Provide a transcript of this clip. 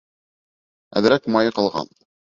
Әҙерәк майы ҡалған.